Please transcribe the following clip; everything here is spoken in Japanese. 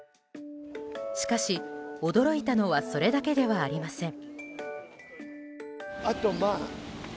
しかし驚いたのはそれだけではありません。